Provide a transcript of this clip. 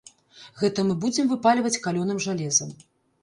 Гэта мы будзем выпальваць калёным жалезам.